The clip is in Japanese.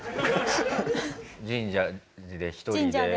神社で一人で？